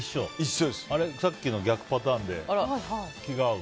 さっきの逆パターンで気が合う。